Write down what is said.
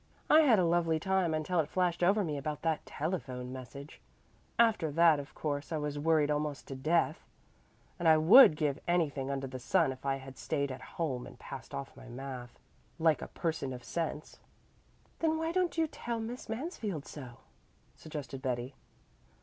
"I had a lovely time until it flashed over me about that telephone message. After that of course I was worried almost to death, and I would give anything under the sun if I had stayed at home and passed off my math. like a person of sense." "Then why don't you tell Miss Mansfield so?" suggested Betty.